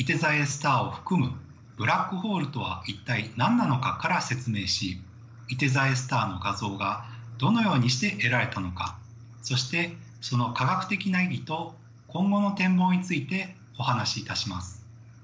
スターを含む「ブラックホールとは一体何なのか」から説明しいて座Ａスターの画像がどのようにして得られたのかそしてその科学的な意義と今後の展望についてお話しいたします。